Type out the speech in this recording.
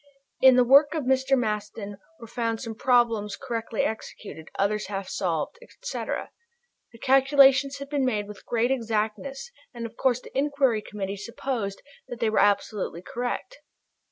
In the work of Mr. Maston were found some problems correctly executed, others half solved, etc. The calculations had been made with great exactness and of course the Inquiry Committee supposed that they were absolutely correct.